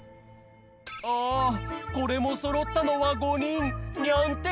あこれもそろったのは５にん。